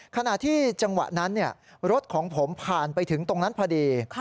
ขณะที่จังหวะนั้นรถของผมผ่านไปถึงตรงนั้นพอดี